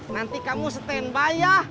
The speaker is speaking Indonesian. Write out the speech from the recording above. nanti kamu standby ya